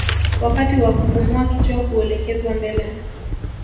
Wakati wa kupumua kichwa huelekezwa mbele